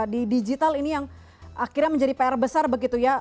di digital ini yang akhirnya menjadi pr besar begitu ya